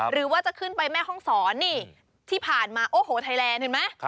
หรือว่าจะขึ้นไปแม่ห้องศรนี่ที่ผ่านมาโอ้โหไทยแลนด์เห็นไหม